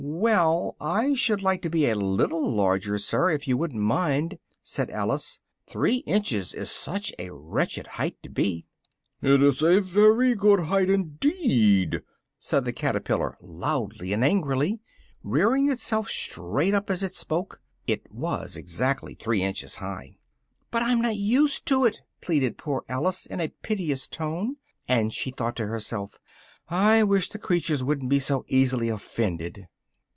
"Well, I should like to be a little larger, sir, if you wouldn't mind," said Alice, "three inches is such a wretched height to be." "It is a very good height indeed!" said the caterpillar loudly and angrily, rearing itself straight up as it spoke (it was exactly three inches high). "But I'm not used to it!" pleaded poor Alice in a piteous tone, and she thought to herself "I wish the creatures wouldn't be so easily offended!"